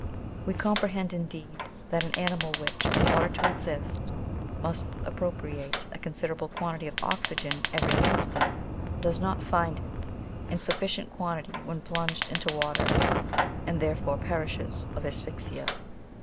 We comprehend, indeed, that an animal which, in order to exist, must appropriate a consider able quantity of oxygen every instant, does not find it in suf OF ANIMALS. 101 ficient quantity when plunged into water, and therefore perishes of asphyxia.